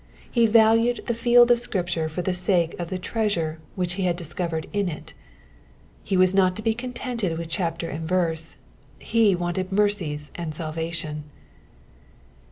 He valued the field of Scripture for the sake of the treasure which he had dis covered in it. He was not to be contented with chapter and verse, he wanted mercies and salvation.